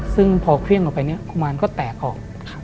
ซึ่งพอเควียงลงไปหุ่นกุมารก็แตกออก